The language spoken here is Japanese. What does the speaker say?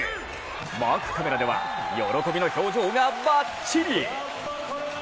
マークカメラでは喜びの表情がバッチリ。